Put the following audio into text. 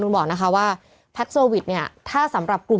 เพื่อไม่ให้เชื้อมันกระจายหรือว่าขยายตัวเพิ่มมากขึ้น